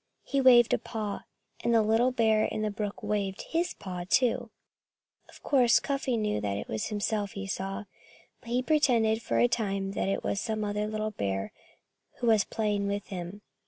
He waved a paw. And the little bear in the brook waved his paw too. Of course Cuffy knew that it was himself he saw. But he pretended for a time that it was some other little bear who was playing with him.